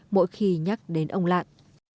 mỗi khi nhắc đến ông lạng